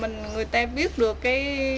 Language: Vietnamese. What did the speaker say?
người ta biết được cái